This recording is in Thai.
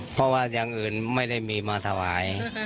เพราะว่าอย่างอื่นไม่ได้มีมาถวาย